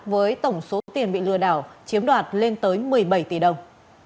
với tổng số tiền bị lừa đảo chiếm đoạt lên tới một mươi bảy tỷ đồng